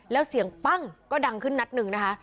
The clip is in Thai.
แล้วเสียงปั้งก็ดังขึ้นนัดหนึ่งนะคะ